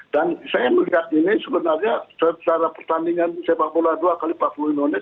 dan saya melihat ini sebenarnya secara pertandingan sepak bola dua x empat puluh indonesia